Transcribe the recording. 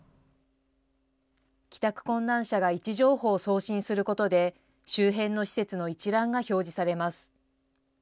帰宅困難者が位置情報を送信することで、周辺の施設の一覧が表示されます。